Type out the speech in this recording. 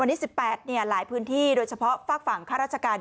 วันนี้๑๘หลายพื้นที่โดยเฉพาะฝากฝั่งข้าราชการ